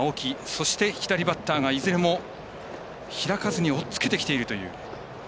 そして、左バッターがいずれも開かずにおっつけてきているという。